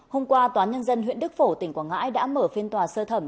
hôm qua tòa nhân dân huyện đức phổ tỉnh quảng ngãi đã mở phiên tòa sơ thẩm